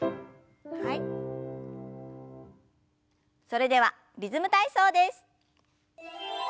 それでは「リズム体操」です。